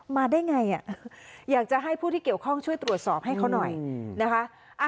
มาได้ไงอยากจะให้ผู้ที่เกี่ยวข้องช่วยตรวจสอบให้เขาหน่อยนะคะ